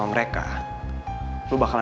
jadi terus gue liat boy apa clara